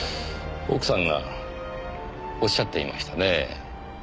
奥さんがおっしゃっていましたねえ。